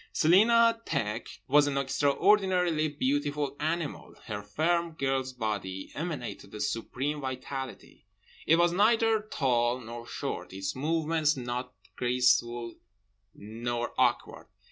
Celina Tek was an extraordinarily beautiful animal. Her firm girl's body emanated a supreme vitality. It was neither tall nor short, its movements nor graceful nor awkward.